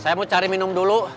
saya mau cari minum dulu